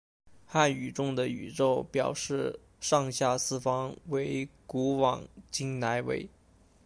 汉语中的宇宙表示上下四方为古往今来为。